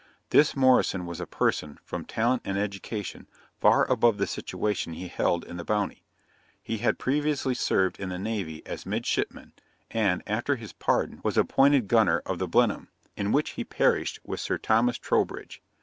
This Morrison was a person, from talent and education, far above the situation he held in the Bounty; he had previously served in the navy as midshipman, and, after his pardon, was appointed gunner of the Blenheim, in which he perished with Sir Thomas Troubridge.